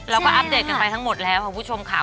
แล้วก็อัปเดตกันไปทั้งหมดแล้วคุณผู้ชมค่ะ